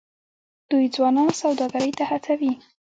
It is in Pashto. دوی ځوانان سوداګرۍ ته هڅوي.